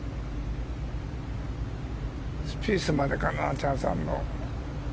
スピースまでかなチャンスあるの。